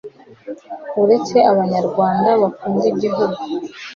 uretse Abanyarwanda bakunda igihugu.